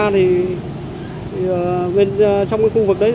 trong cái khu vực đấy